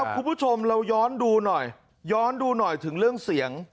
คุณผู้ชมเราย้อนดูหน่อยย้อนดูหน่อยถึงเรื่องเสียง